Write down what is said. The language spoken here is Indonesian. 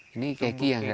ini keki yang enggak